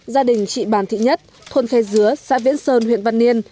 gia đình chị bàn thị nhất thôn khe dứa xã viễn sơn huyện văn yên